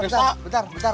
bentar bentar bentar